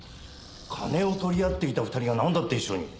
金を取り合っていた２人がなんだって一緒に？